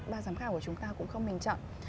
ba giám khảo của chúng ta cũng không bình chọn